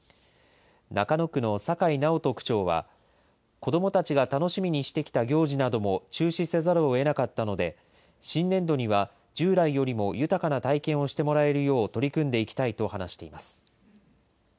中野区の酒井直人区長は、子どもたちが楽しみにしてきた行事なども中止せざるをえなかったので、新年度には従来よりも豊かな体験をしてもらえるよう取り組んでいきたいと話しています。